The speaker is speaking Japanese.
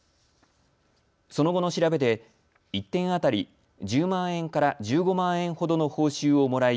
その後の調べで１点当たり１０万円から１５万円ほどの報酬をもらい